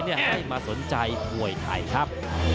ให้มาสนใจมวยไทยครับ